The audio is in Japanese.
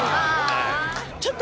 ちょっと。